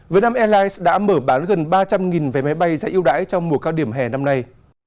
việt nam airlines đã mở bán gần ba trăm linh vé máy bay sẽ ưu đãi trong mùa cao điểm hè năm nay